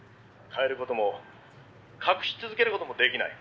「変える事も隠し続ける事もできない」